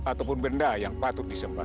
ataupun benda yang patut disemprot